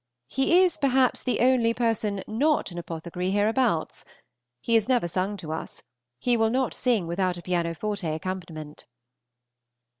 He is, perhaps, the only person not an apothecary hereabouts. He has never sung to us. He will not sing without a pianoforte accompaniment.